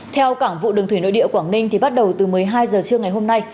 theo cảng vụ đường thủy nội địa quảng ninh thì bắt đầu từ một mươi hai h trưa ngày hôm nay